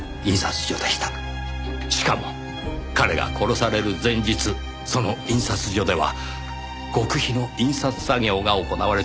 しかも彼が殺される前日その印刷所では極秘の印刷作業が行われていました。